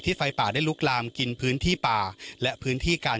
ไฟป่าได้ลุกลามกินพื้นที่ป่าและพื้นที่การ